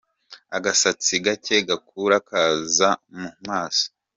Agasatsi gake gakura kaza mu maso.